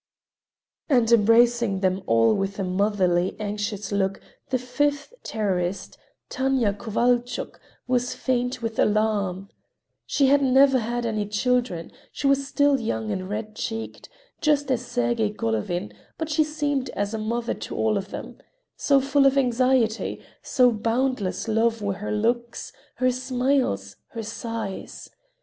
And embracing them all with a motherly, anxious look, the fifth terrorist, Tanya Kovalchuk, was faint with alarm. She had never had any children; she was still young and red cheeked, just as Sergey Golovin, but she seemed as a mother to all of them: so full of anxiety, of boundless love were her looks, her smiles, her sighs.